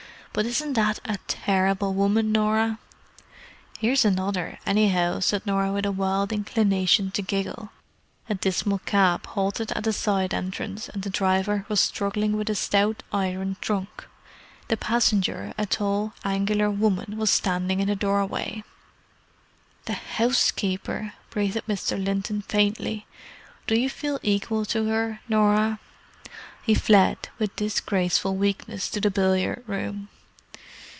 "But isn't that a terrible woman, Norah!" "Here's another, anyhow," said Norah with a wild inclination to giggle. A dismal cab halted at a side entrance, and the driver was struggling with a stout iron trunk. The passenger, a tall, angular woman, was standing in the doorway. "The housekeeper!" breathed Mr. Linton faintly. "Do you feel equal to her, Norah?" He fled, with disgraceful weakness, to the billiard room.